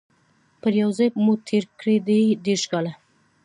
پر یوه ځای مو تیر کړي دي دیرش کاله